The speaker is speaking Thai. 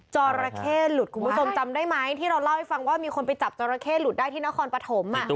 จราเข้หลุดคุณผู้ชมจำได้ไหมที่เราเล่าให้ฟังว่ามีคนไปจับจราเข้หลุดได้ที่นครปฐม